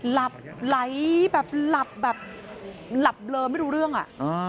หลับไหลแบบหลับแบบหลับเบลอไม่รู้เรื่องอ่ะ